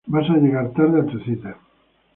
vas a llegar tarde a tu cita